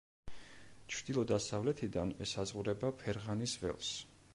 ჩრდილო-დასავლეთიდან ესაზღვრება ფერღანის ველს.